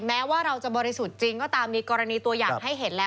แม้ว่าเราจะบริสุทธิ์จริงก็ตามมีกรณีตัวอย่างให้เห็นแล้ว